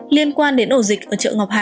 liên quan đến ổ dịch ở chợ ngọc hà